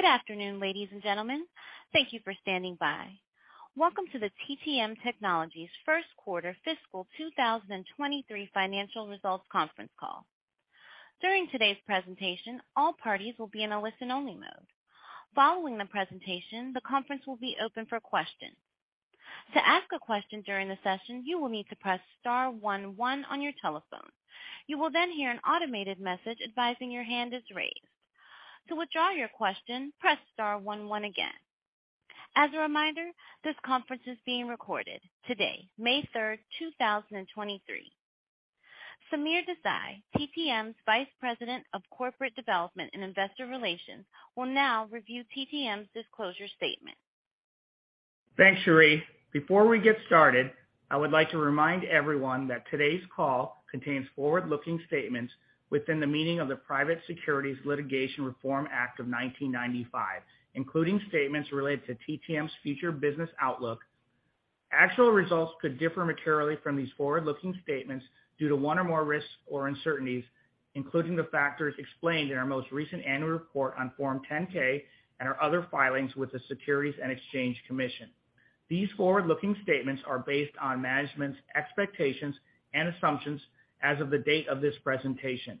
Good afternoon, ladies and gentlemen. Thank you for standing by. Welcome to the TTM Technologies Q1 fiscal 2023 financial results conference call. During today's presentation, all parties will be in a listen-only mode. Following the presentation, the conference will be open for questions. To ask a question during the session, you will need to press * 1 1 on your telephone. You will then hear an automated message advising your hand is raised. To withdraw your question, press * 1 1 again. As a reminder, this conference is being recorded today, May 3, 2023. Sameer Desai, TTM's Vice President of Corporate Development and Investor Relations, will now review TTM's disclosure statement. Thanks, Cherie. Before we get started, I would like to remind everyone that today's call contains forward-looking statements within the meaning of the Private Securities Litigation Reform Act of 1995, including statements related to TTM's future business outlook. Actual results could differ materially from these forward-looking statements due to 1 or more risks or uncertainties, including the factors explained in our most recent annual report on Form 10-K and our other filings with the Securities and Exchange Commission. These forward-looking statements are based on management's expectations and assumptions as of the date of this presentation.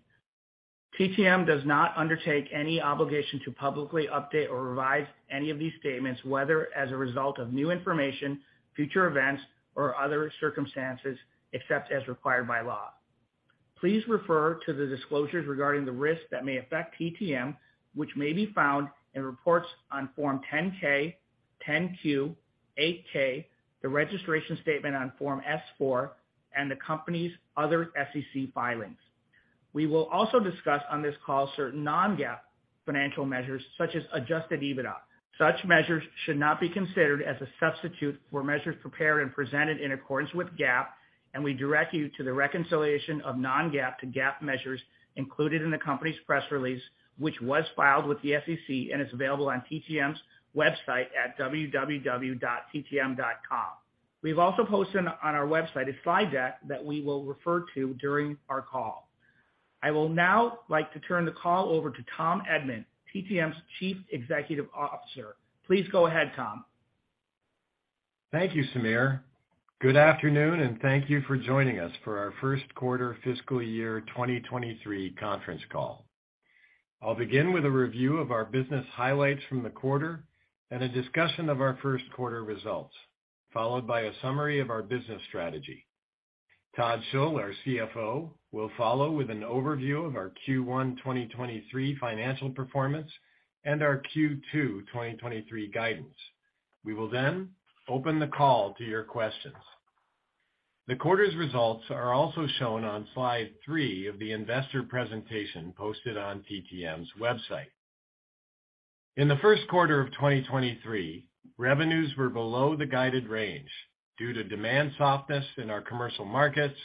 TTM does not undertake any obligation to publicly update or revise any of these statements, whether as a result of new information, future events, or other circumstances, except as required by law. Please refer to the disclosures regarding the risks that may affect TTM, which may be found in reports on Form 10-K, 10-Q, 8-K, the registration statement on Form S-4, and the company's other SEC filings. We will also discuss on this call certain non-GAAP financial measures, such as adjusted EBITDA. Such measures should not be considered as a substitute for measures prepared and presented in accordance with GAAP, and we direct you to the reconciliation of non-GAAP to GAAP measures included in the company's press release, which was filed with the SEC and is available on TTM's website at www.ttm.com. We've also posted on our website a slide deck that we will refer to during our call. I will now like to turn the call over to Thomas Edman, TTM's Chief Executive Officer. Please go ahead, Tom. Thank you, Sameer. Good afternoon, thank you for joining us for our Q1 fiscal year 2023 conference call. I'll begin with a review of our business highlights from the quarter and a discussion of our Q1 results, followed by a summary of our business strategy. Todd Schull, our CFO, will follow with an overview of our Q1 2023 financial performance and our Q2 2023 guidance. We will open the call to your questions. The quarter's results are also shown on slide 3 of the investor presentation posted on TTM's website. In the Q1 of 2023, revenues were below the guided range due to demand softness in our commercial markets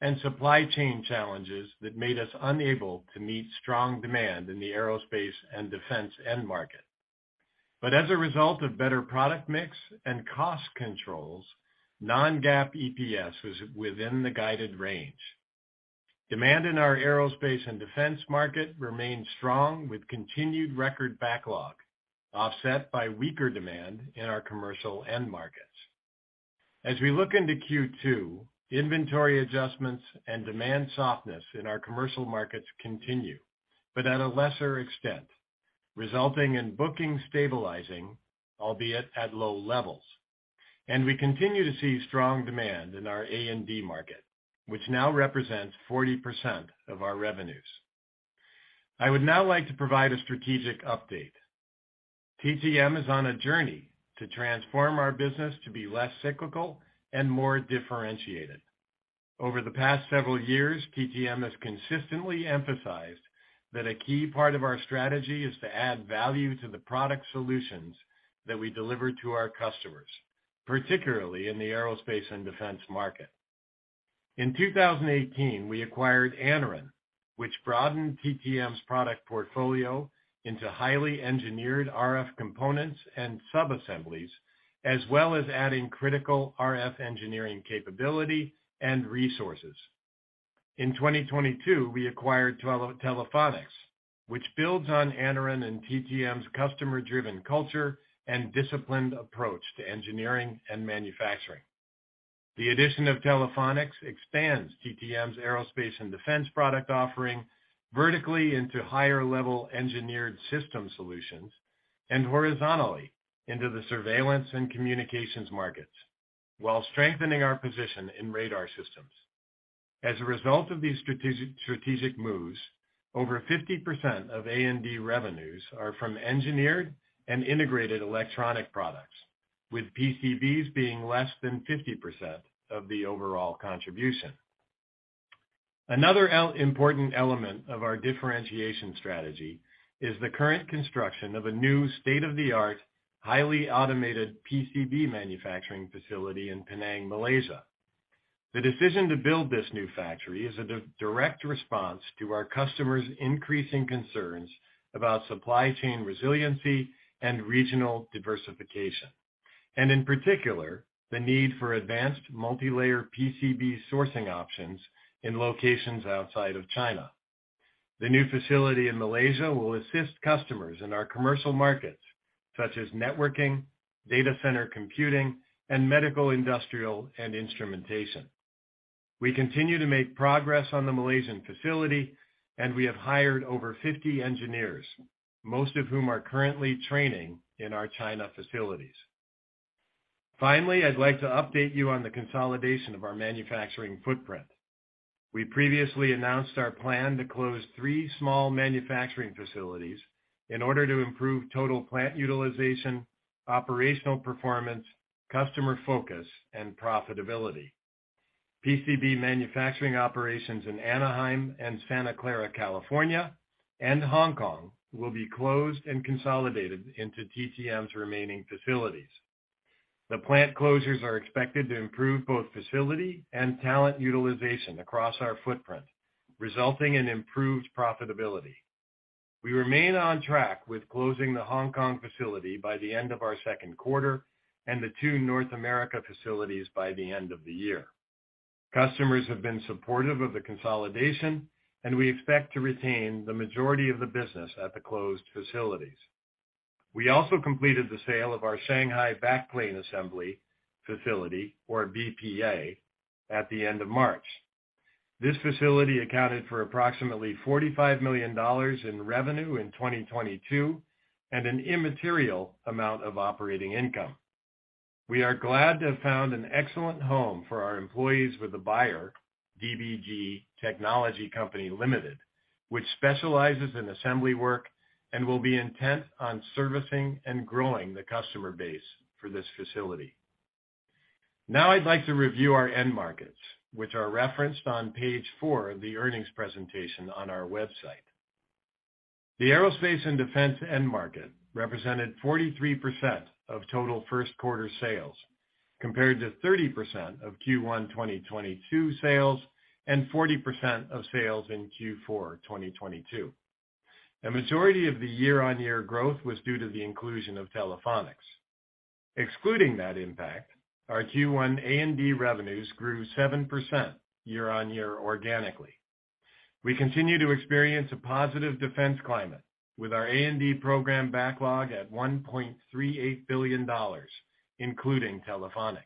and supply chain challenges that made us unable to meet strong demand in the aerospace and defense end market. As a result of better product mix and cost controls, non-GAAP EPS was within the guided range. Demand in our aerospace and defense market remained strong with continued record backlog, offset by weaker demand in our commercial end markets. As we look into Q2, inventory adjustments and demand softness in our commercial markets continue, but at a lesser extent, resulting in bookings stabilizing, albeit at low levels. We continue to see strong demand in our A&D market, which now represents 40% of our revenues. I would now like to provide a strategic update. TTM is on a journey to transform our business to be less cyclical and more differentiated. Over the past several years, TTM has consistently emphasized that a key part of our strategy is to add value to the product solutions that we deliver to our customers, particularly in the aerospace and defense market. In 2018, we acquired Anaren, which broadened TTM's product portfolio into highly engineered RF components and subassemblies, as well as adding critical RF engineering capability and resources. In 2022, we acquired Telephonics, which builds on Anaren and TTM's customer-driven culture and disciplined approach to engineering and manufacturing. The addition of Telephonics expands TTM's aerospace and defense product offering vertically into higher-level engineered system solutions and horizontally into the surveillance and communications markets while strengthening our position in radar systems. As a result of these strategic moves, over 50% of A&D revenues are from engineered and integrated electronic products, with PCBs being less than 50% of the overall contribution. Another important element of our differentiation strategy is the current construction of a new state-of-the-art, highly automated PCB manufacturing facility in Penang, Malaysia. The decision to build this new factory is a direct response to our customers' increasing concerns about supply chain resiliency and regional diversification. In particular, the need for advanced multilayer PCB sourcing options in locations outside of China. The new facility in Malaysia will assist customers in our commercial markets, such as networking, data center computing, and Medical, Industrial, and Instrumentation. We continue to make progress on the Malaysian facility. We have hired over 50 engineers, most of whom are currently training in our China facilities. Finally, I'd like to update you on the consolidation of our manufacturing footprint. We previously announced our plan to close 3 small manufacturing facilities in order to improve total plant utilization, operational performance, customer focus, and profitability. PCB manufacturing operations in Anaheim and Santa Clara, California, and Hong Kong will be closed and consolidated into TTM's remaining facilities. The plant closures are expected to improve both facility and talent utilization across our footprint, resulting in improved profitability. We remain on track with closing the Hong Kong facility by the end of our Q2 and the 2 North America facilities by the end of the year. Customers have been supportive of the consolidation, and we expect to retain the majority of the business at the closed facilities. We also completed the sale of our Shanghai Backplane Assembly facility, or BPA, at the end of March. This facility accounted for approximately $45 million in revenue in 2022 and an immaterial amount of operating income. We are glad to have found an excellent home for our employees with the buyer, DBG Technology Company Limited, which specializes in assembly work and will be intent on servicing and growing the customer base for this facility. I'd like to review our end markets, which are referenced on page 4 of the earnings presentation on our website. The aerospace and defense end market represented 43% of total Q1 sales, compared to 30% of Q1 2022 sales and 40% of sales in Q4 2022. The majority of the year-over-year growth was due to the inclusion of Telephonics. Excluding that impact, our Q1 A&D revenues grew 7% year-over-year organically. We continue to experience a positive defense climate with our A&D program backlog at $1.38 billion, including Telephonics.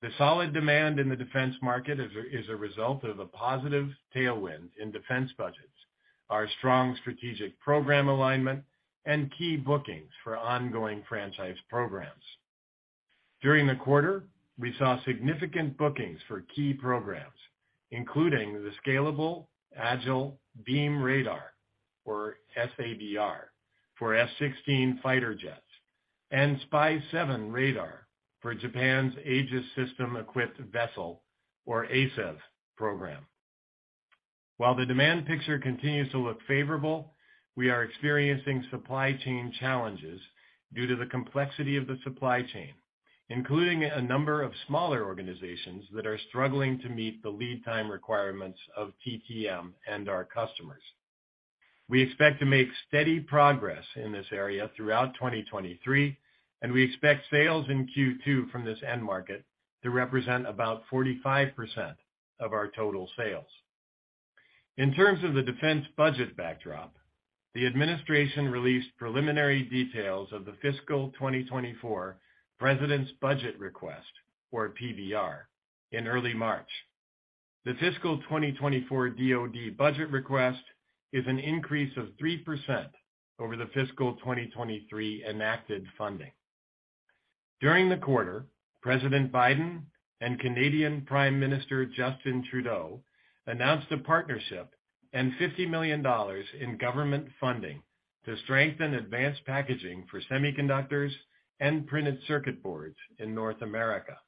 The solid demand in the defense market is a result of a positive tailwind in defense budgets, our strong strategic program alignment, and key bookings for ongoing franchise programs. During the quarter, we saw significant bookings for key programs, including the Scalable Agile Beam Radar, or SABR, for F-16 fighter jets, and SPY-7 radar for Japan's Aegis System Equipped Vessel, or ASEV, program. While the demand picture continues to look favorable, we are experiencing supply chain challenges due to the complexity of the supply chain, including a number of smaller organizations that are struggling to meet the lead time requirements of TTM and our customers. We expect to make steady progress in this area throughout 2023. We expect sales in Q2 from this end market to represent about 45% of our total sales. In terms of the defense budget backdrop, the administration released preliminary details of the fiscal 2024 President's Budget Request, or PBR, in early March. The fiscal 2024 DoD budget request is an increase of 3% over the fiscal 2023 enacted funding. During the quarter, President Biden and Canadian Prime Minister Justin Trudeau announced a partnership and $50 million in government funding to strengthen advanced packaging for semiconductors and printed circuit boards in North America.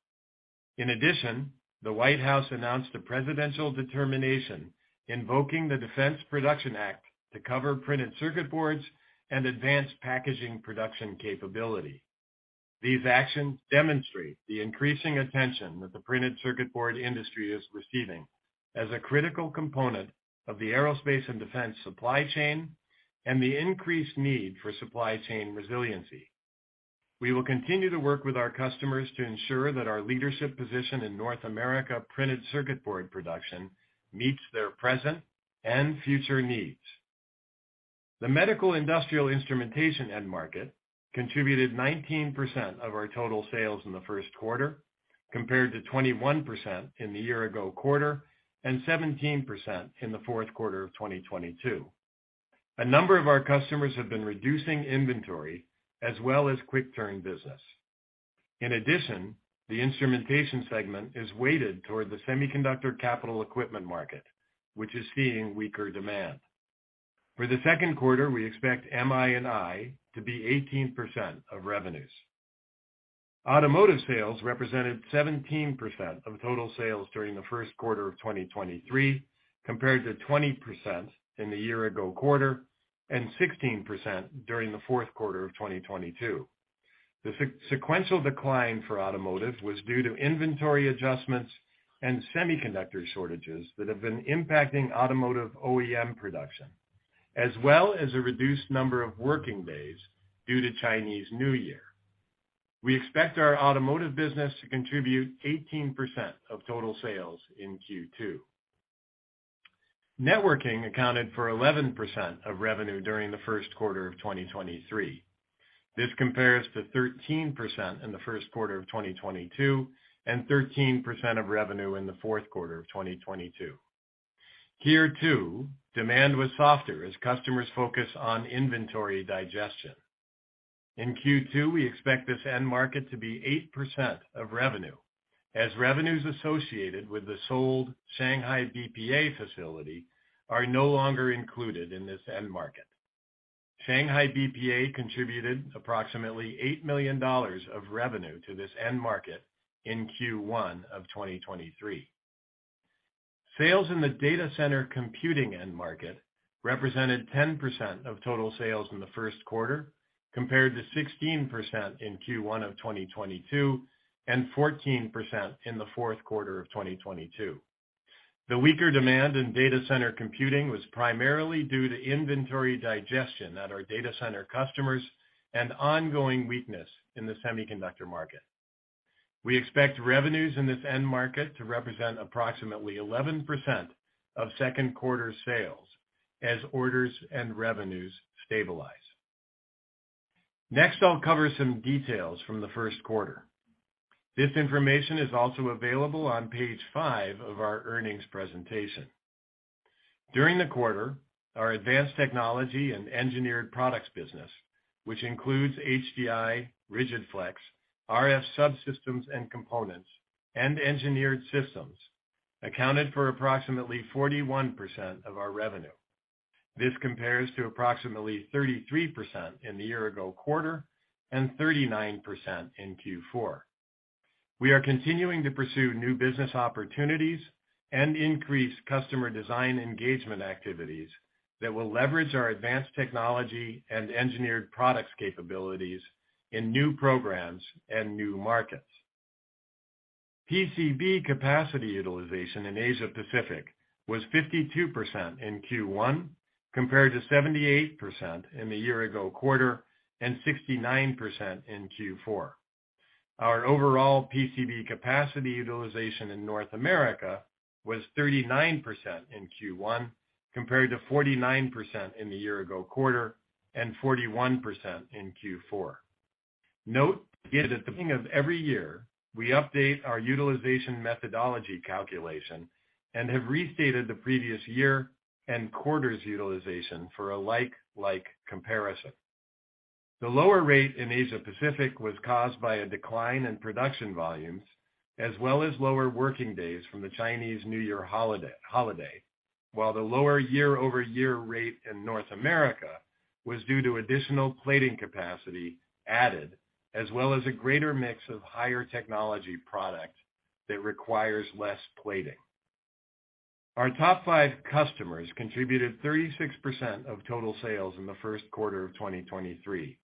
The White House announced a presidential determination invoking the Defense Production Act to cover printed circuit boards and advanced packaging production capability. These actions demonstrate the increasing attention that the printed circuit board industry is receiving as a critical component of the aerospace and defense supply chain and the increased need for supply chain resiliency. We will continue to work with our customers to ensure that our leadership position in North America printed circuit board production meets their present and future needs. The Medical, Industrial & Instrumentation end market contributed 19% of our total sales in the Q1, compared to 21% in the year-ago quarter and 17% in the Q4 of 2022. A number of our customers have been reducing inventory as well as quick turn business. The instrumentation segment is weighted toward the semiconductor capital equipment market, which is seeing weaker demand. For the Q2, we expect MI&I to be 18% of revenues. Automotive sales represented 17% of total sales during the Q1 of 2023, compared to 20% in the year-ago quarter and 16% during the Q4 of 2022. The sequential decline for automotive was due to inventory adjustments and semiconductor shortages that have been impacting automotive OEM production. As well as a reduced number of working days due to Chinese New Year. We expect our automotive business to contribute 18% of total sales in Q2. Networking accounted for 11% of revenue during the Q1 of 2023. This compares to 13% in the Q1 of 2022, and 13% of revenue in the Q4 of 2022. Here too, demand was softer as customers focus on inventory digestion. In Q2, we expect this end market to be 8% of revenue, as revenues associated with the sold Shanghai BPA facility are no longer included in this end market. Shanghai BPA contributed approximately $8 million of revenue to this end market in Q1 of 2023. Sales in the data center computing end market represented 10% of total sales in the Q1, compared to 16% in Q1 of 2022, and 14% in the Q4 of 2022. The weaker demand in data center computing was primarily due to inventory digestion at our data center customers and ongoing weakness in the semiconductor market. We expect revenues in this end market to represent approximately 11% of Q2 sales as orders and revenues stabilize. Next, I'll cover some details from the Q1. This information is also available on page 5 of our earnings presentation. During the quarter, our advanced technology and engineered products business, which includes HDI, rigid-flex, RF subsystems and components, and engineered systems, accounted for approximately 41% of our revenue. This compares to approximately 33% in the year ago quarter and 39% in Q4. We are continuing to pursue new business opportunities and increase customer design engagement activities that will leverage our advanced technology and engineered products capabilities in new programs and new markets. PCB capacity utilization in Asia Pacific was 52% in Q1, compared to 78% in the year ago quarter and 69% in Q4. Our overall PCB capacity utilization in North America was 39% in Q1, compared to 49% in the year ago quarter and 41% in Q4. Note that at the beginning of every year, we update our utilization methodology calculation and have restated the previous year and quarters utilization for a like comparison. The lower rate in Asia Pacific was caused by a decline in production volumes, as well as lower working days from the Chinese New Year holiday, while the lower year-over-year rate in North America was due to additional plating capacity added, as well as a greater mix of higher technology product that requires less plating. Our top 5 customers contributed 36% of total sales in the Q1 of 2023,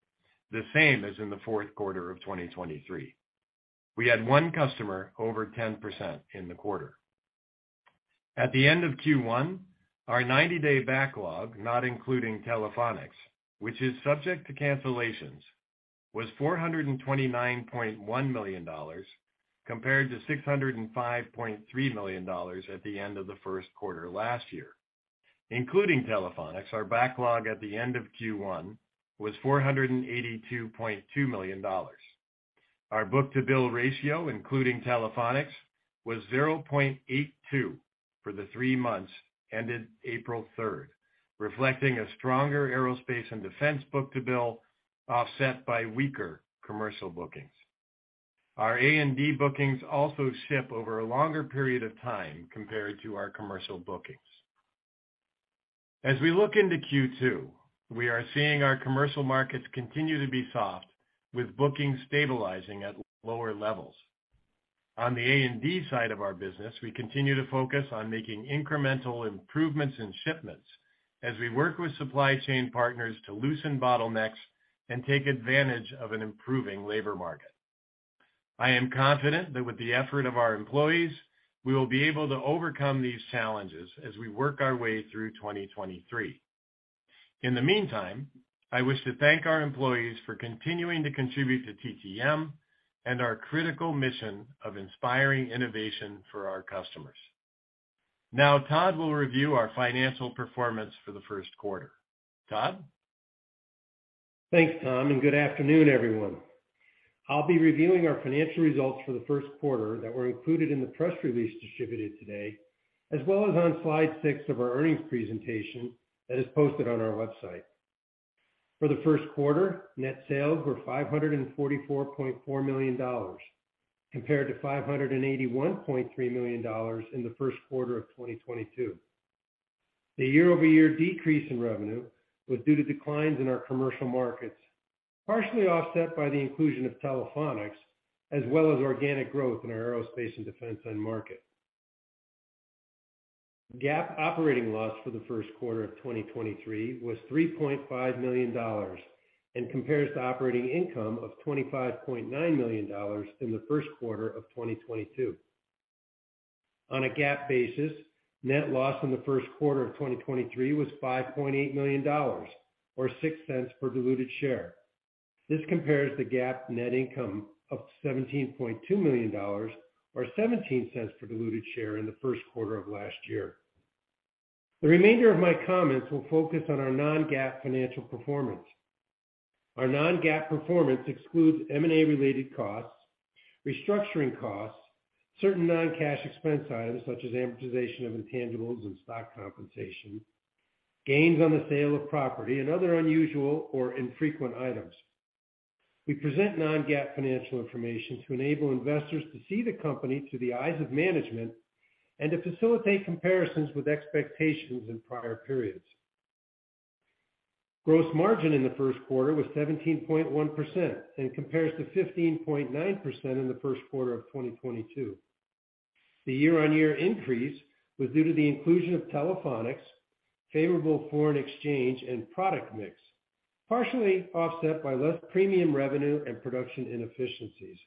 the same as in the Q4 of 2023. We had 1 customer over 10% in the quarter. At the end of Q1, our 90-day backlog, not including Telephonics, which is subject to cancellations, was $429.1 million, compared to $605.3 million at the end of the Q1 last year. Including Telephonics, our backlog at the end of Q1 was $482.2 million. Our book-to-bill ratio, including Telephonics, was 0.82 for the 3 months ended April 3, reflecting a stronger aerospace and defense book-to-bill, offset by weaker commercial bookings. Our A&D bookings also ship over a longer period of time compared to our commercial bookings. As we look into Q2, we are seeing our commercial markets continue to be soft, with bookings stabilizing at lower levels. On the A&D side of our business, we continue to focus on making incremental improvements in shipments as we work with supply chain partners to loosen bottlenecks and take advantage of an improving labor market. I am confident that with the effort of our employees, we will be able to overcome these challenges as we work our way through 2023. In the meantime, I wish to thank our employees for continuing to contribute to TTM and our critical mission of inspiring innovation for our customers. Now Todd will review our financial performance for the Q1. Todd? Thanks, Tom, and good afternoon, everyone. I'll be reviewing our financial results for the Q1 that were included in the press release distributed today, as well as on slide 6 of our earnings presentation that is posted on our website. For the Q1, net sales were $544.4 million, compared to $581.3 million in the Q1 of 2022. The year-over-year decrease in revenue was due to declines in our commercial markets, partially offset by the inclusion of Telephonics, as well as organic growth in our aerospace and defense end market. GAAP operating loss for the Q1 of 2023 was $3.5 million and compares to operating income of $25.9 million in the Q1 of 2022. On a GAAP basis, net loss in the Q1 of 2023 was $5.8 million, or $0.06 per diluted share. This compares the GAAP net income of $17.2 million, or $0.17 per diluted share in the Q1 of last year. The remainder of my comments will focus on our non-GAAP financial performance. Our non-GAAP performance excludes M&A related costs, restructuring costs, certain non-cash expense items such as amortization of intangibles and stock compensation, gains on the sale of property, and other unusual or infrequent items. We present non-GAAP financial information to enable investors to see the company through the eyes of management and to facilitate comparisons with expectations in prior periods. Gross margin in the Q1 was 17.1% and compares to 15.9% in the Q1 of 2022. The year-on-year increase was due to the inclusion of Telephonics, favorable foreign exchange, and product mix, partially offset by less premium revenue and production inefficiencies.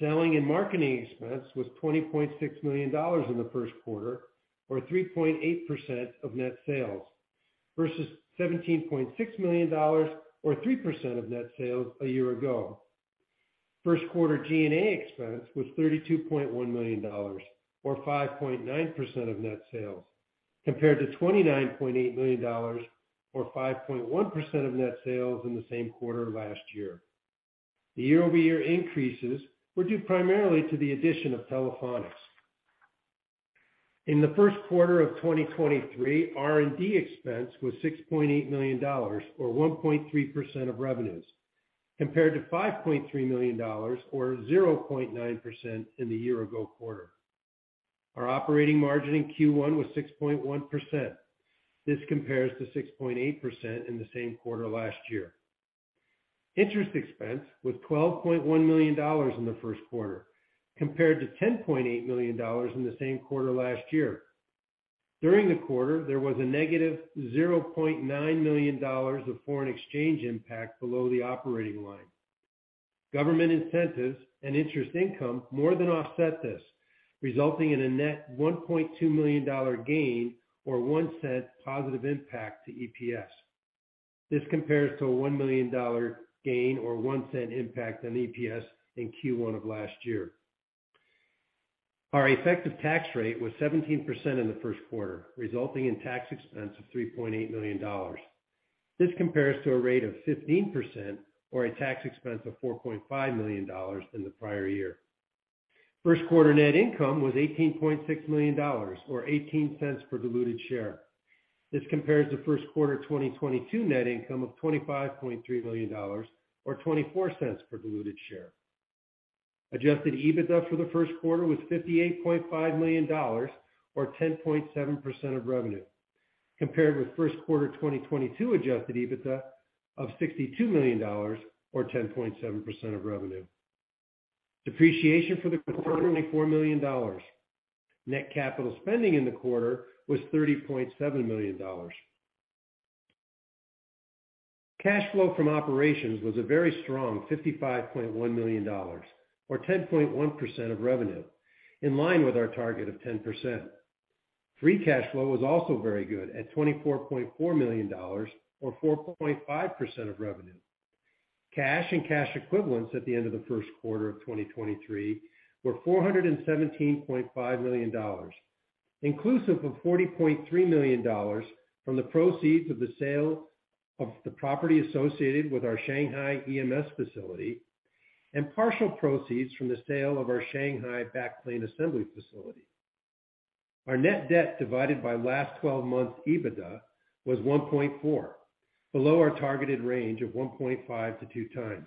Selling and marketing expense was $20.6 million in the Q1 or 3.8% of net sales versus $17.6 million or 3% of net sales a year ago. Q1 G&A expense was $32.1 million or 5.9% of net sales, compared to $29.8 million or 5.1% of net sales in the same quarter last year. The year-over-year increases were due primarily to the addition of Telephonics. In the Q1 of 2023, R&D expense was $6.8 million, or 1.3% of revenues, compared to $5.3 million or 0.9% in the year ago quarter. Our operating margin in Q1 was 6.1%. This compares to 6.8% in the same quarter last year. Interest expense was $12.1 million in the Q1, compared to $10.8 million in the same quarter last year. During the quarter, there was a negative $0.9 million of foreign exchange impact below the operating line. Government incentives and interest income more than offset this, resulting in a net $1.2 million gain or $0.01 positive impact to EPS. This compares to a $1 million gain or $0.01 impact on EPS in Q1 of last year. Our effective tax rate was 17% in the Q1, resulting in tax expense of $3.8 million. This compares to a rate of 15% or a tax expense of $4.5 million in the prior year. Q1 net income was $18.6 million or $0.18 per diluted share. This compares to Q1 2022 net income of $25.3 million or $0.24 per diluted share. Adjusted EBITDA for the Q1 was $58.5 million or 10.7% of revenue, compared with Q1 2022 Adjusted EBITDA of $62 million or 10.7% of revenue. Depreciation for the quarter was $4 million. Net capital spending in the quarter was $30.7 million. Cash flow from operations was a very strong $55.1 million or 10.1% of revenue, in line with our target of 10%. Free cash flow was also very good at $24.4 million or 4.5% of revenue. Cash and cash equivalents at the end of the Q1 of 2023 were $417.5 million, inclusive of $40.3 million from the proceeds of the sale of the property associated with our Shanghai EMS facility and partial proceeds from the sale of our Shanghai backplane assembly facility. Our net debt divided by last 12 months EBITDA was 1.4, below our targeted range of 1.5 to 2 times.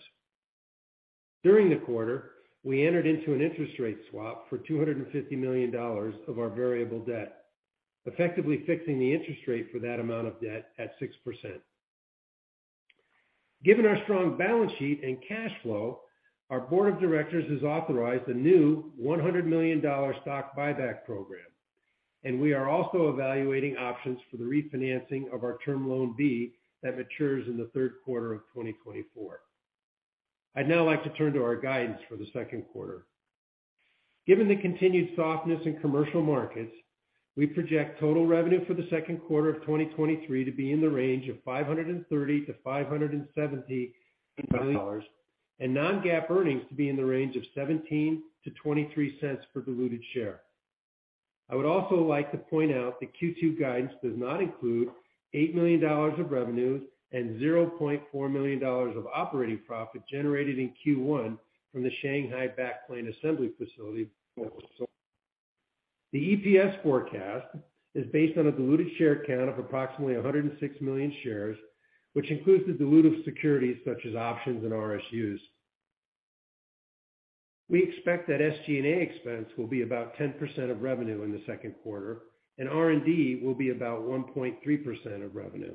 During the quarter, we entered into an interest rate swap for $250 million of our variable debt, effectively fixing the interest rate for that amount of debt at 6%. Given our strong balance sheet and cash flow, our board of directors has authorized a new $100 million stock buyback program, and we are also evaluating options for the refinancing of our Term Loan B that matures in the Q3 of 2024. I'd now like to turn to our guidance for the Q2. Given the continued softness in commercial markets, we project total revenue for the Q2 of 2023 to be in the range of $530 million-$570 million, and non-GAAP earnings to be in the range of $0.17-$0.23 per diluted share. I would also like to point out that Q2 guidance does not include $8 million of revenues and $0.4 million of operating profit generated in Q1 from the Shanghai backplane assembly facility. The EPS forecast is based on a diluted share count of approximately 106 million shares, which includes the dilutive securities such as options and RSUs. We expect that SG&A expense will be about 10% of revenue in the Q2, and R&D will be about 1.3% of revenue.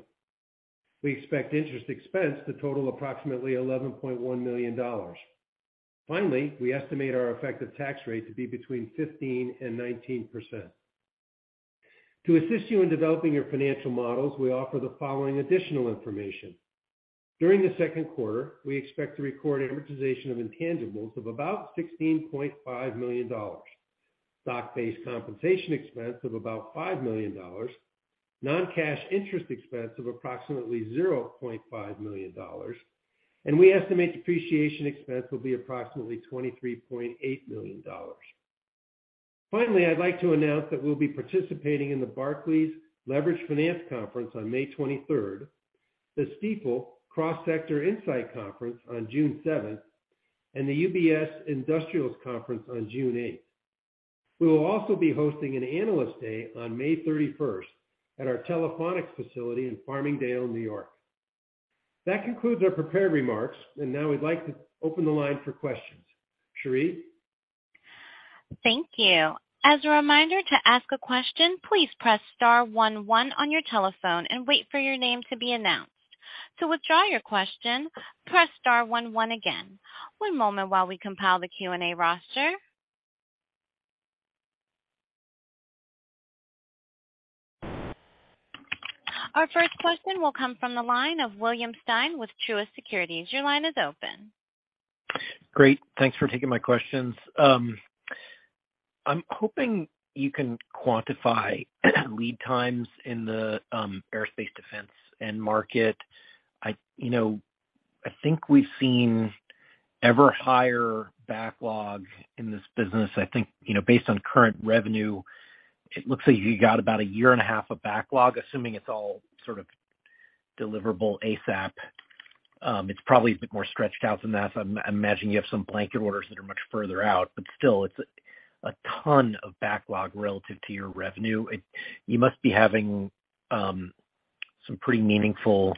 We expect interest expense to total approximately $11.1 million. Finally, we estimate our effective tax rate to be between 15% and 19%. To assist you in developing your financial models, we offer the following additional information. During the Q2, we expect to record amortization of intangibles of about $16.5 million, stock-based compensation expense of about $5 million, non-cash interest expense of approximately $0.5 million. We estimate depreciation expense will be approximately $23.8 million. Finally, I'd like to announce that we'll be participating in the Barclays Leveraged Finance Conference on May 23rd, the Stifel Cross Sector Insight Conference on June 7th, and the UBS Industrials Conference on June 8th. We will also be hosting an Analyst Day on May 31st at our Telephonics facility in Farmingdale, New York. That concludes our prepared remarks. Now we'd like to open the line for questions. Cherie? Thank you. As a reminder to ask a question, please press * 1 1 on your telephone and wait for your name to be announced. To withdraw your question, press * 1 1 again. One moment while we compile the Q&A roster. Our 1st question will come from the line of William Stein with Truist Securities. Your line is open. Great. Thanks for taking my questions. I'm hoping you can quantify lead times in the aerospace defense end market. I, you know, I think we've seen ever higher backlog in this business. I think, you know, based on current revenue, it looks like you got about a year and a half of backlog, assuming it's all sort of deliverable ASAP. It's probably a bit more stretched out than that. I'm imagining you have some blanket orders that are much further out, but still, it's a ton of backlog relative to your revenue. You must be having some pretty meaningful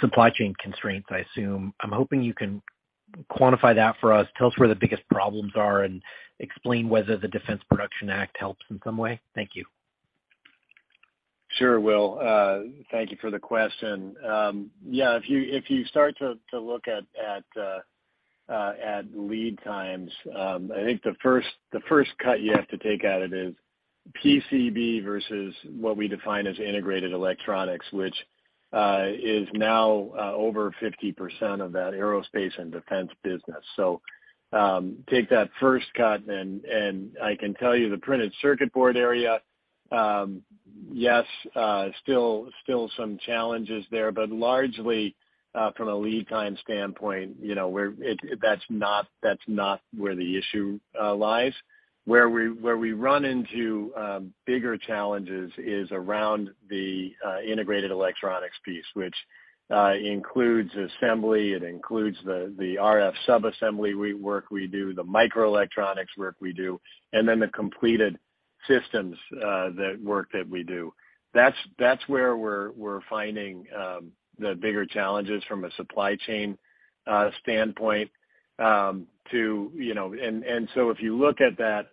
supply chain constraints, I assume. I'm hoping you can quantify that for us, tell us where the biggest problems are, and explain whether the Defense Production Act helps in some way. Thank you. Sure, Will. Thank you for the question. Yeah, if you start to look at lead times, I think the 1st cut you have to take out it is PCB versus what we define as integrated electronics, which is now over 50% of that Aerospace and Defense business. Take that 1st cut and I can tell you the printed circuit board area, yes, still some challenges there, but largely from a lead time standpoint, you know, that's not where the issue lies. Where we run into bigger challenges is around the integrated electronics piece, which includes assembly, it includes the RF sub-assembly we do, the microelectronics work we do, and then the completed systems that work that we do. That's where we're finding the bigger challenges from a supply chain standpoint, to, you know. If you look at that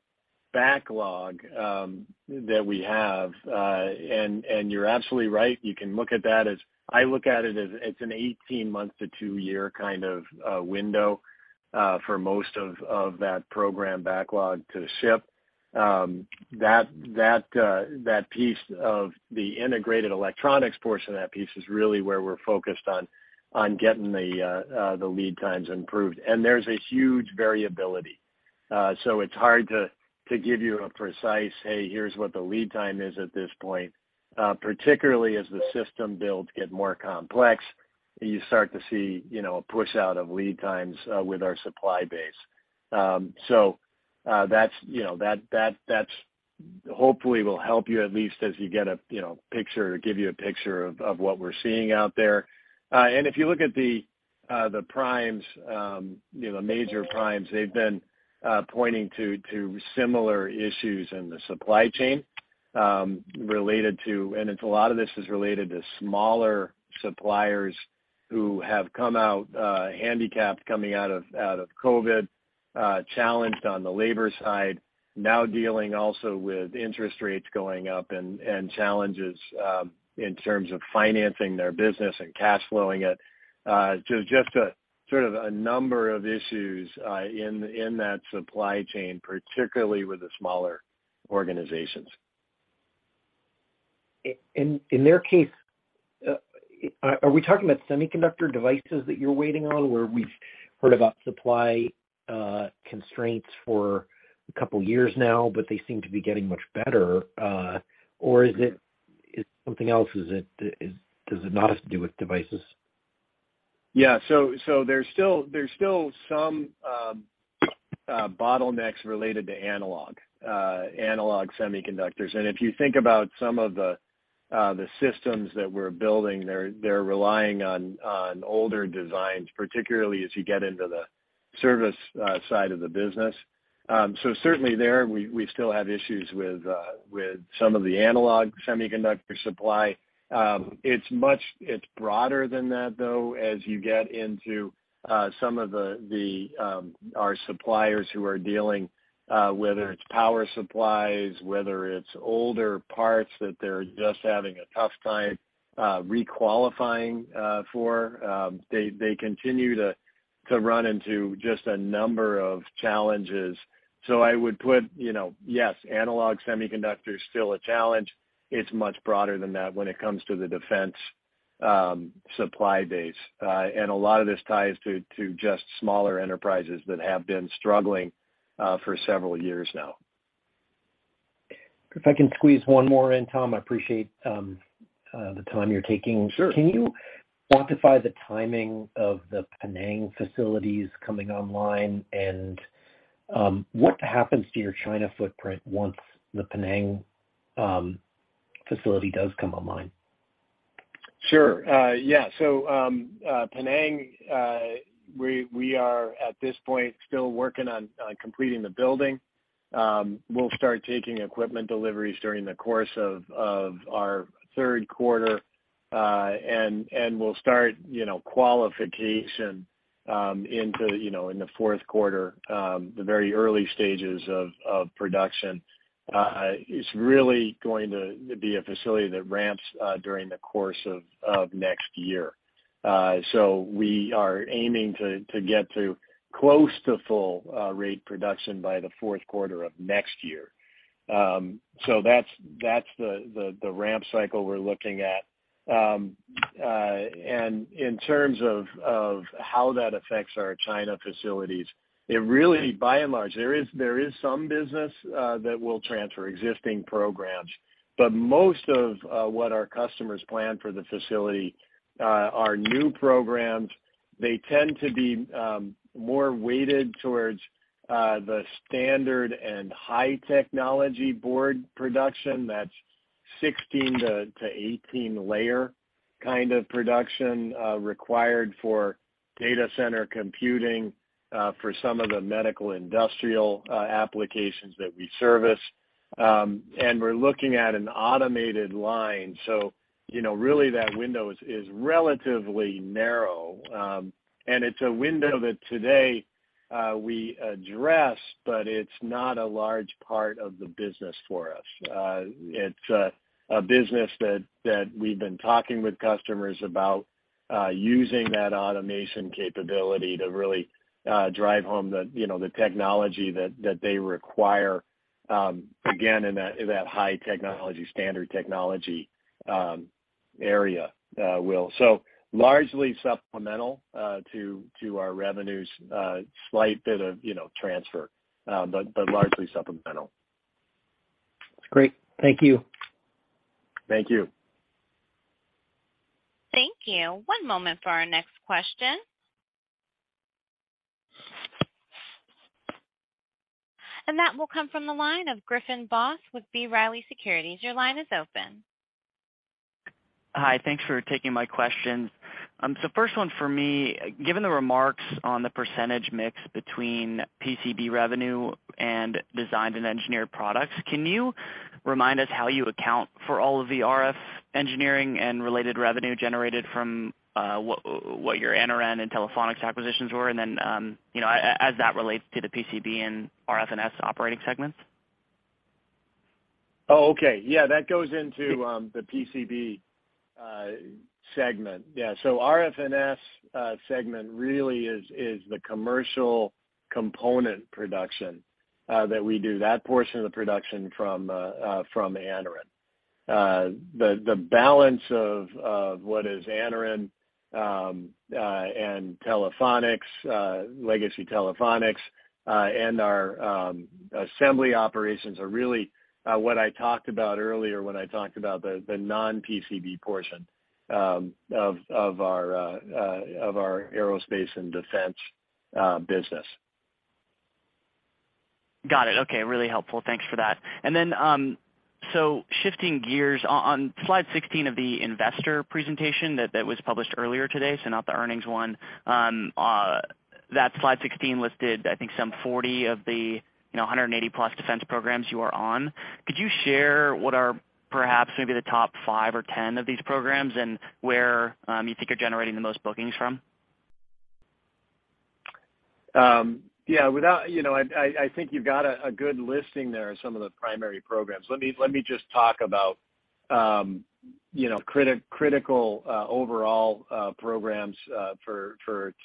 backlog that we have, and you're absolutely right, you can look at that as I look at it as it's an 18-month to 2-year kind of window for most of that program backlog to ship. That, that piece of the integrated electronics portion of that piece is really where we're focused on getting the lead times improved. iability. So it's hard to give you a precise, "Hey, here's what the lead time is at this point." Particularly as the system builds get more complex, you start to see, you know, a push out of lead times with our supply base. So that's, you know, that's hopefully will help you at least as you get a, you know, picture or give you a picture of what we're seeing out there. And if you look at the primes, you know, major primes, they've been pointing to similar issues in the supply chain related to... It's a lot of this is related to smaller suppliers who have come out, handicapped coming out of COVID, challenged on the labor side, now dealing also with interest rates going up and challenges, in terms of financing their business and cash flowing it. Just a, sort of a number of issues, in that supply chain, particularly with the smaller organizations. In their case, are we talking about semiconductor devices that you're waiting on, where we've heard about supply constraints for a couple years now, but they seem to be getting much better, or is it something else? Is it, does it not have to do with devices? Yeah. There's still some bottlenecks related to analog semiconductors. If you think about some of the systems that we're building, they're relying on older designs, particularly as you get into the service side of the business. Certainly there we still have issues with some of the analog semiconductor supply. It's much broader than that, though, as you get into some of our suppliers who are dealing, whether it's power supplies, whether it's older parts that they're just having a tough time re-qualifying for. They continue to run into just a number of challenges. I would put, you know, yes, analog semiconductors, still a challenge. It's much broader than that when it comes to the defense supply base. A lot of this ties to just smaller enterprises that have been struggling for several years now. If I can squeeze 1 more in, Tom, I appreciate the time you're taking. Sure. Can you quantify the timing of the Penang facilities coming online? What happens to your China footprint once the Penang facility does come online? Sure. Yeah. Penang, we are, at this point, still working on completing the building. We'll start taking equipment deliveries during the course of our Q3, and we'll start, you know, qualification, into, you know, in the Q4, the very early stages of production. It's really going to be a facility that ramps during the course of next year. We are aiming to get to close to full rate production by the Q4 of next year. That's the ramp cycle we're looking at. In terms of how that affects our China facilities, it really, by and large, there is some business that will transfer existing programs. Most of what our customers plan for the facility are new programs. They tend to be more weighted towards the standard and high technology board production. That's 16 to 18 layer kind of production required for data center computing, for some of the medical industrial applications that we service. We're looking at an automated line, so you know, really that window is relatively narrow. It's a window that today we address, but it's not a large part of the business for us. It's a business that we've been talking with customers about using that automation capability to really drive home the, you know, the technology that they require, again, in that high technology, standard technology area, Will. largely supplemental, to our revenues, slight bit of, you know, transfer, but largely supplemental. Great. Thank you. Thank you. Thank you. 1 moment for our next question. That will come from the line of Griffin Boss with B. Riley Securities. Your line is open. Hi. Thanks for taking my questions. First 1 for me, given the remarks on the percentage mix between PCB revenue and designed and engineered products, can you remind us how you account for all of the RF engineering and related revenue generated from what your Anaren and Telephonics acquisitions were? Then, you know, as that relates to the PCB and RF&S operating segments. Oh, okay. Yeah, that goes into the PCB segment. Yeah, RF&S segment really is the commercial component production that we do that portion of the production from Anaren. The balance of what is Anaren and Telephonics legacy Telephonics and our assembly operations are really what I talked about earlier when I talked about the non-PCB portion of our Aerospace and Defense business. Got it. Okay. Really helpful. Thanks for that. Shifting gears, on slide 16 of the investor presentation that was published earlier today, not the earnings one, that slide 16 listed, I think, some 40 of the, you know, 180+ defense programs you are on. Could you share what are perhaps maybe the top 5 or 10 of these programs and where you think you're generating the most bookings from? Yeah, you know, I think you've got a good listing there of some of the primary programs. Let me just talk about, you know, critical overall programs for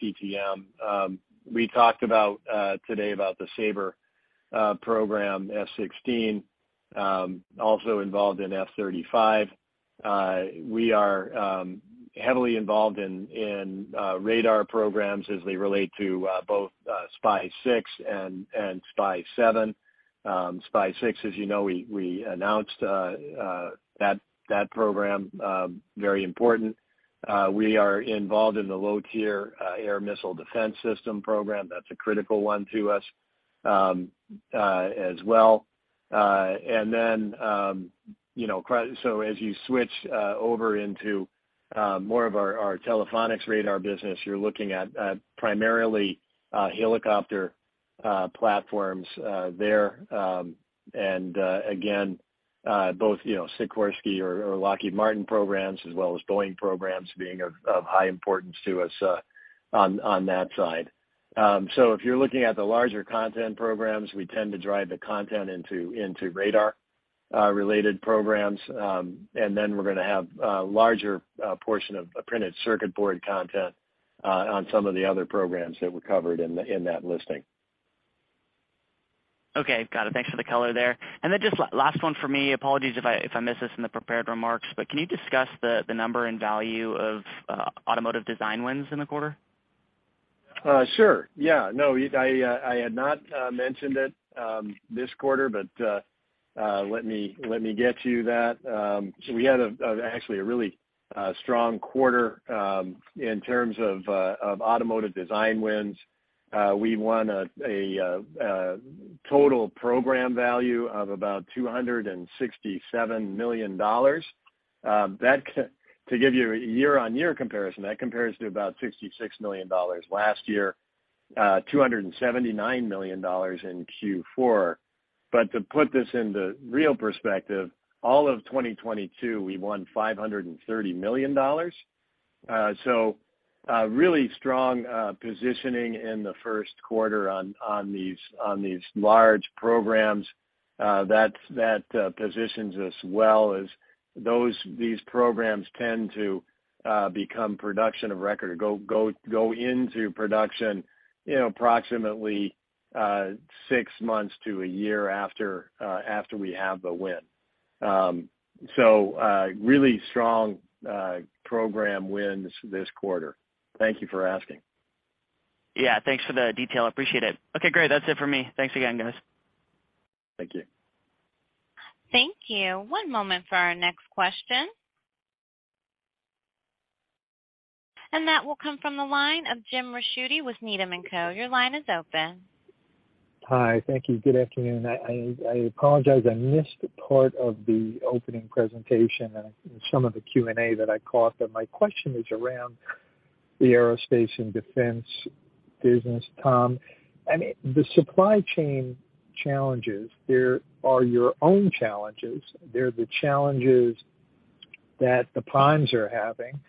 TTM. We talked about today about the SABR program, F-16, also involved in F-35. We are heavily involved in radar programs as they relate to both SPY-6 and SPY-7. SPY-6, as you know, we announced that program, very important. We are involved in the Lower Tier Air Missile Defense system program. That's a critical one to us as well. you know, as you switch over into more of our Telephonics radar business, you're looking at primarily helicopter platforms there. Again, you know, both Sikorsky or Lockheed Martin programs as well as Boeing programs being of high importance to us on that side. If you're looking at the larger content programs, we tend to drive the content into radar related programs. We're gonna have a larger portion of printed circuit board content on some of the other programs that were covered in that listing. Okay. Got it. Thanks for the color there. Just last 1 for me. Apologies if I missed this in the prepared remarks, but can you discuss the number and value of automotive design wins in the quarter? Sure. Yeah, no, you, I had not mentioned it this quarter, but let me get you that. So we had actually a really strong quarter in terms of automotive design wins. We won a total program value of about $267 million. To give you a year-over-year comparison, that compares to about $66 million last year, $279 million in Q4. To put this into real perspective, all of 2022, we won $530 million. A really strong positioning in the Q1 on these large programs, that positions us well as these programs tend to become production of record, go into production, you know, approximately, 6 months to 1 year after we have the win. Really strong program wins this quarter. Thank you for asking. Yeah, thanks for the detail. Appreciate it. Okay, great. That's it for me. Thanks again, guys. Thank you. Thank you. One moment for our next question. That will come from the line of Jim Ricchiuti with Needham & Co. Your line is open. Hi. Thank you. Good afternoon. I apologize I missed the part of the opening presentation and some of the Q&A that I caught, but my question is around the aerospace and defense business, Tom, and the supply chain challenges. There are your own challenges. They're the challenges that the primes are having.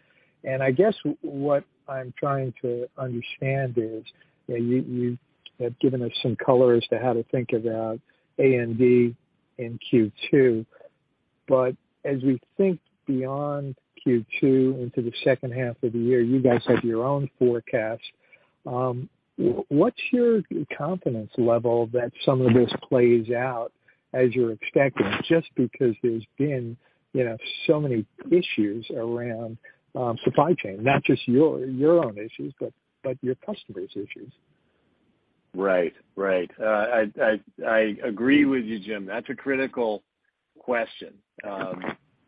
I guess what I'm trying to understand is that you have given us some color as to how to think about A&D in Q2. As we think beyond Q2 into the H2 of the year, you guys have your own forecast. What's your confidence level that some of this plays out as you're expecting, just because there's been, you know, so many issues around supply chain, not just your own issues, but your customers' issues? Right. I agree with you, Jim. That's a critical question.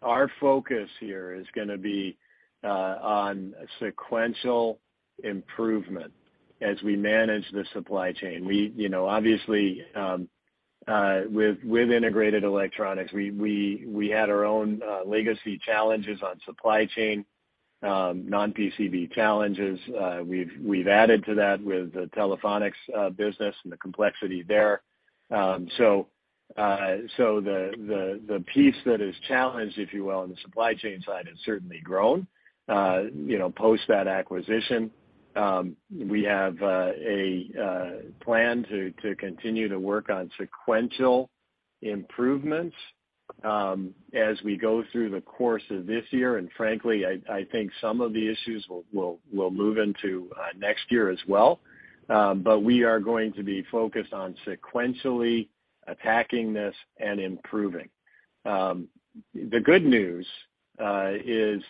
Our focus here is gonna be on sequential improvement as we manage the supply chain. We, you know, obviously, with integrated electronics, we had our own legacy challenges on supply chain, non-PCB challenges. We've added to that with the Telephonics business and the complexity there. The piece that is challenged, if you will, on the supply chain side has certainly grown, you know, post that acquisition. We have a plan to continue to work on sequential improvements as we go through the course of this year. Frankly, I think some of the issues will move into next year as well. We are going to be focused on sequentially attacking this and improving. The good news, is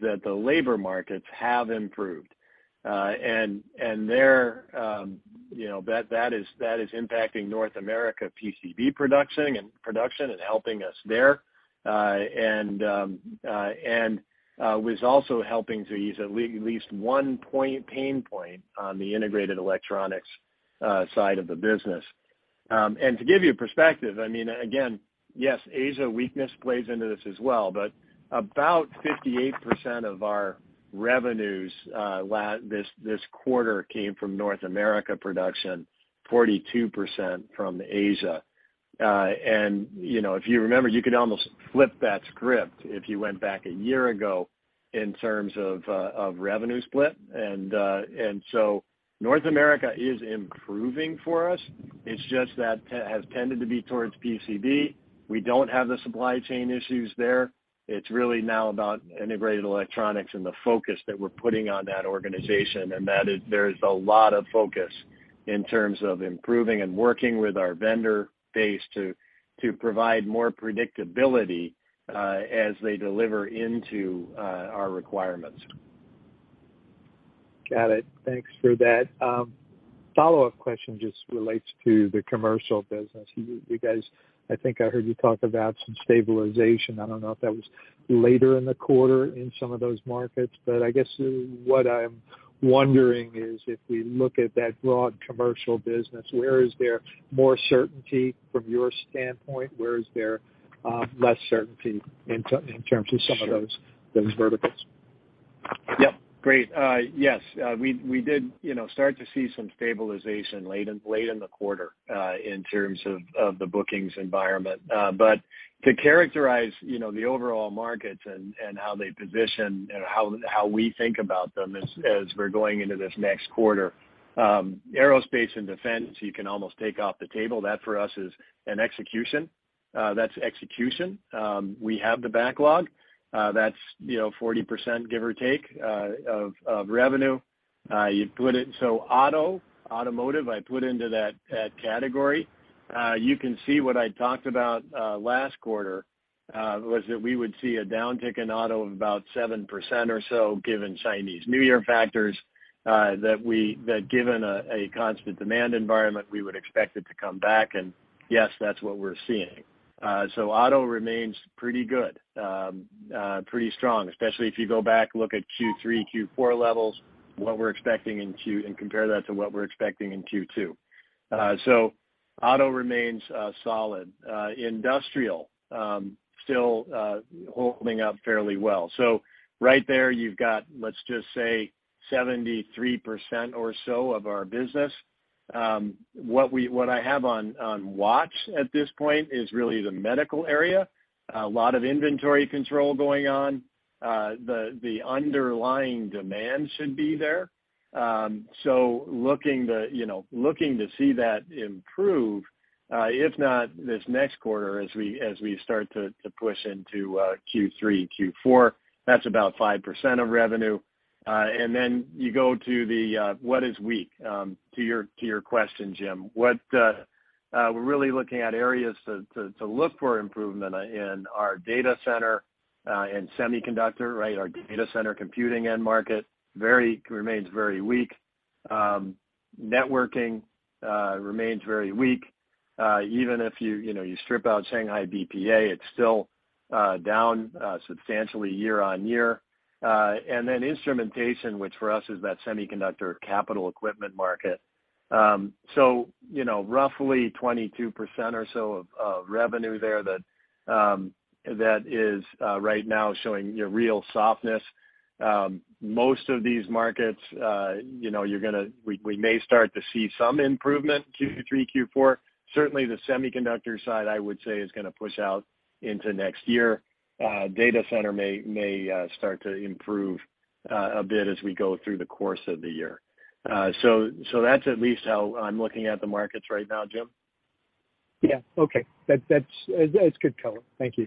that the labor markets have improved, and they're, you know, that is impacting North America PCB production and helping us there, and was also helping to ease at least 1 pain point on the integrated electronics side of the business. And to give you perspective, I mean, again, yes, Asia weakness plays into this as well, about 58% of our revenues this quarter came from North America production, 42% from Asia. You know, if you remember, you could almost flip that script if you went back a year ago in terms of revenue split. North America is improving for us. It's just that has tended to be towards PCB. We don't have the supply chain issues there. It's really now about integrated electronics and the focus that we're putting on that organization, and that is there is a lot of focus in terms of improving and working with our vendor base to provide more predictability as they deliver into our requirements. Got it. Thanks for that. Follow-up question just relates to the commercial business. You guys, I think I heard you talk about some stabilization. I don't know if that was later in the quarter in some of those markets. I guess what I'm wondering is if we look at that broad commercial business, where is there more certainty from your standpoint? Where is there less certainty in terms of some of those- Sure. those verticals? Yep. Great. Yes, we did, you know, start to see some stabilization late in the quarter, in terms of the bookings environment. To characterize, you know, the overall markets and how they position and how we think about them as we're going into this next quarter, Aerospace and Defense, you can almost take off the table. That, for us, is an execution. That's execution. We have the backlog. That's, you know, 40%, give or take, of revenue. You put it, so auto, automotive, I put into that category. You can see what I talked about last quarter was that we would see a downtick in auto of about 7% or so, given Chinese New Year factors, that given a constant demand environment, we would expect it to come back, and yes, that's what we're seeing. Auto remains pretty good, pretty strong, especially if you go back, look at Q3, Q4 levels, what we're expecting in and compare that to what we're expecting in Q2. Auto remains solid. Industrial still holding up fairly well. Right there, you've got, let's just say 73% or so of our business. What I have on watch at this point is really the medical area. A lot of inventory control going on. The underlying demand should be there. Looking to, you know, looking to see that improve, if not this next quarter as we start to push into Q3, Q4, that's about 5% of revenue. Then you go to the what is weak, to your question, Jim. What we're really looking at areas to look for improvement in our data center and semiconductor, right? Our data center computing end market remains very weak. Networking remains very weak. Even if you know, you strip out Shanghai BPA, it's still down substantially year-over-year. Then instrumentation, which for us is that semiconductor capital equipment market. You know, roughly 22% or so of revenue there that is right now showing, you know, real softness. Most of these markets, you know, we may start to see some improvement, Q3, Q4. Certainly, the semiconductor side, I would say, is gonna push out into next year. Data center may start to improve a bit as we go through the course of the year. So that's at least how I'm looking at the markets right now, Jim. Yeah. Okay. That's good color. Thank you.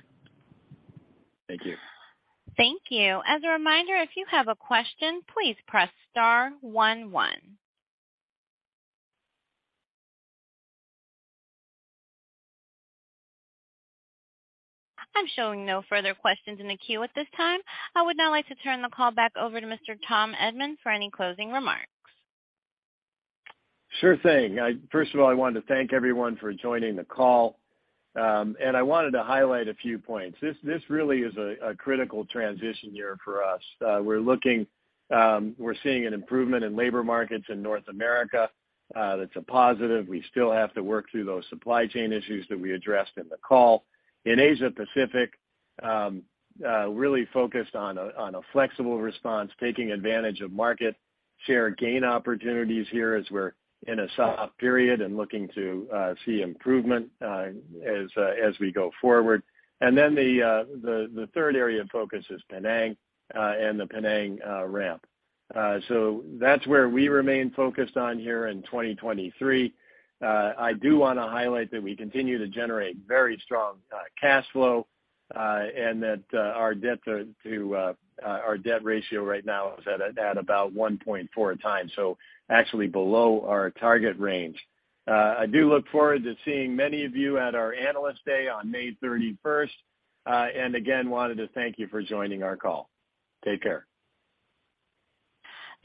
Thank you. Thank you. As a reminder, if you have a question, please press * 1 1. I'm showing no further questions in the queue at this time. I would now like to turn the call back over to Mr. Thomas Edman for any closing remarks. Sure thing. First of all, I wanted to thank everyone for joining the call. I wanted to highlight a few points. This really is a critical transition year for us. We're seeing an improvement in labor markets in North America, that's a positive. We still have to work through those supply chain issues that we addressed in the call. In Asia Pacific, really focused on a flexible response, taking advantage of market share gain opportunities here as we're in a soft period and looking to see improvement as we go forward. The 3rd area of focus is Penang and the Penang ramp. That's where we remain focused on here in 2023. I do wanna highlight that we continue to generate very strong cash flow, and that our debt to our debt ratio right now is at about 1.4 times, so actually below our target range. I do look forward to seeing many of you at our Analyst Day on May 31st. Again, wanted to thank you for joining our call. Take care.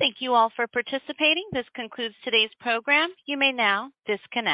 Thank you all for participating. This concludes today's program. You may now disconnect.